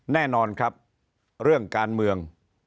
แน่นอนครับเรื่องการเมือง